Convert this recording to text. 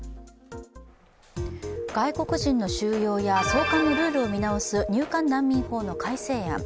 外国人の収容や送還のルールを見直す入管難民法の改正案。